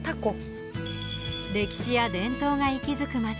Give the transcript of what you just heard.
歴史や伝統が息づく街。